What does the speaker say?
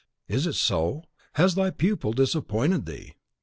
is it so? Has thy pupil disappointed thee?